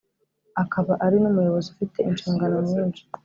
akaba ari n’umuyobozi ufite inshingano nyinshi